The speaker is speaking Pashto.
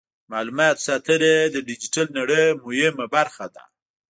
د معلوماتو ساتنه د ډیجیټل نړۍ مهمه برخه ده.